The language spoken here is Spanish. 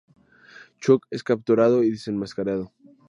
Chuck es capturado y desenmascarado.